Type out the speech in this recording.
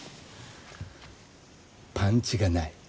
パンチがない。